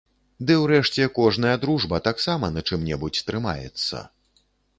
Ды ўрэшце кожная дружба таксама на чым-небудзь трымаецца.